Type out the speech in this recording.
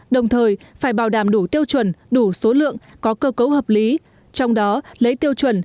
đồng thời phải bảo đảm đủ tiêu chuẩn đủ số lượng có cơ cấu hợp lý trong đó lấy tiêu chuẩn